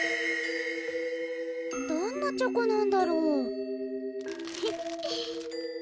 どんなチョコなんだろう？